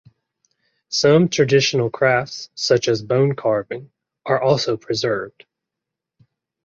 Some traditional crafts, such as bone-carving, are also preserved.